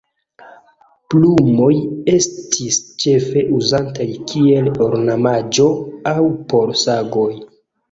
Plumoj estis ĉefe uzataj kiel ornamaĵo aŭ por sagoj.